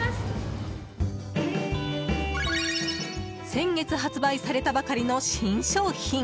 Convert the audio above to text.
先月発売されたばかりの新商品。